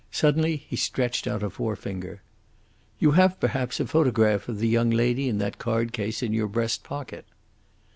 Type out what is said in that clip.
Suddenly he stretched out a forefinger. "You have, perhaps, a photograph of the young lady in that card case in your breast pocket."